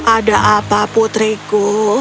ada apa putriku